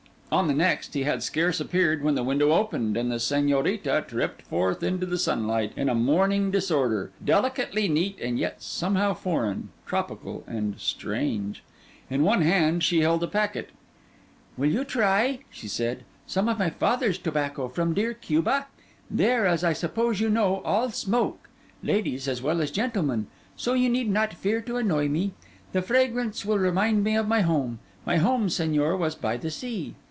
On the next, he had scarce appeared when the window opened, and the Señorita tripped forth into the sunlight, in a morning disorder, delicately neat, and yet somehow foreign, tropical, and strange. In one hand she held a packet. 'Will you try,' she said, 'some of my father's tobacco—from dear Cuba? There, as I suppose you know, all smoke, ladies as well as gentlemen. So you need not fear to annoy me. The fragrance will remind me of home. My home, Señor, was by the sea.